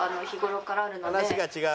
「話が違う」